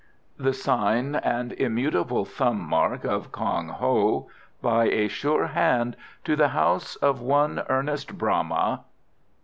The Sign and immutable Thumb mark of, KONG HO By a sure hand to the House of one Ernest Bramah.